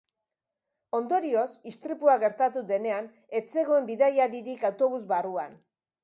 Ondorioz, istripua gertatu denean, ez zegoen bidaiaririk autobus barruan.